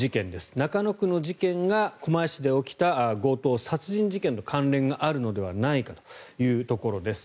中野区の事件が狛江市で起きた強盗殺人事件と関連があるのではないかというところです。